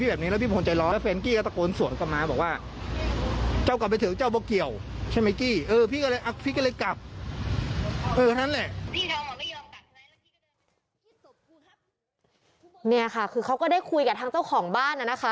นี่ค่ะคือเขาก็ได้คุยกับทางเจ้าของบ้านนะคะ